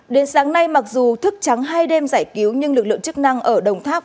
đến sáng nay mặc dù thức trắng hai đêm giải cứu nhưng lực lượng chức năng ở đồng tháp